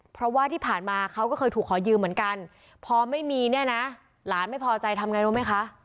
เพราะว่าที่ผ่านมาเขาก็เคยถูกขอยืมเหมือนกันพอไม่มีเนี่ยนะหลานไม่พอใจทำไงรู้ไหมคะ